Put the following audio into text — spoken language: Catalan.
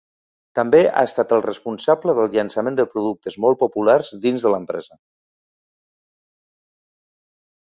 També ha estat el responsable del llançament de productes molt populars dins l’empresa.